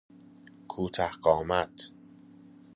کوته قامت